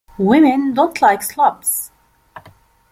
Women don't like slobs.